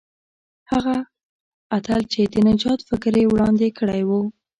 هغه اتل چې د نجات فکر یې وړاندې کړی وو.